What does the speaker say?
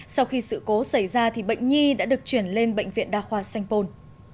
sau khi sự cố xảy ra thì bệnh nhi đã được chuyển lên bệnh viện đa khoa sanh pôn